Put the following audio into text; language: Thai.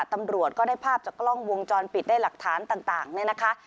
ตำรวจก็ได้ภาพจากกล้องวงจรปิดได้หลักฐานต่างเนี่ยนะคะ